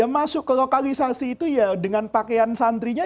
masuk ke lokalisasi itu ya dengan pakaian santrinya